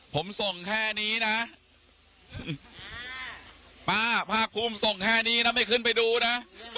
ผมส่งแค่นี้นะป้าภาคภูมิส่งแค่นี้นะไม่ขึ้นไปดูนะ